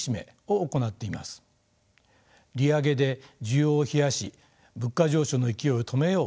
利上げで需要を冷やし物価上昇の勢いを止めよう